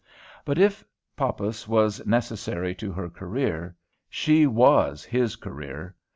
But if Poppas was necessary to her career, she was his career.